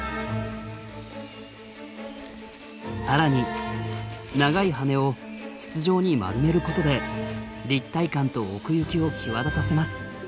更に長い羽を筒状に丸めることで立体感と奥行きを際立たせます。